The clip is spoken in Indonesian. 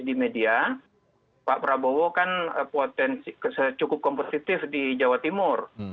di media pak prabowo kan cukup kompetitif di jawa timur